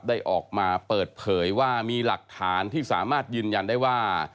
ได้ออกมาเปิดเผยว่ามีหลักฐานที่สามารถยืนยันได้ว่า